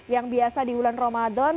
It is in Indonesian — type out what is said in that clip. yang biasa di bulan ramadan